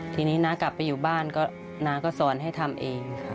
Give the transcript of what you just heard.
ทีนี้น้ากลับไปอยู่บ้านก็น้าก็สอนให้ทำเองค่ะ